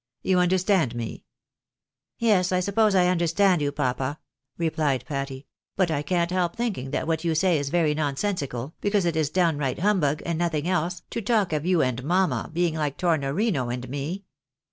You understand me ?"" Yes, I suppose I understand you, papa," replied Patty, " but I can't help thinking that what you say is very nonsensical, because it is downright humbug, and nothing else, to talk of you and mamma being like Tornorino and me.